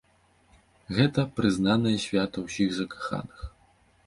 Гэта прызнанае свята ўсіх закаханых.